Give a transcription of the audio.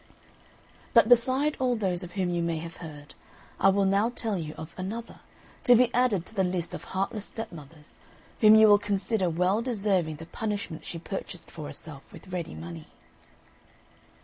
But beside all those of whom you may have heard, I will now tell you of another, to be added to the list of heartless stepmothers, whom you will consider well deserving the punishment she purchased for herself with ready money.